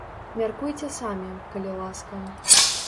Мяркуйце самі, калі ласка.